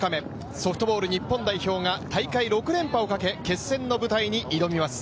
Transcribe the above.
ソフトボール日本代表が大会６連覇をかけ決戦の舞台に挑みます。